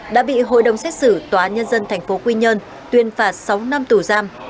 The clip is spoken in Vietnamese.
đã bị hội đồng xét xử tòa nhân dân thành phố quy nhơn tuyên phạt sáu năm tù giam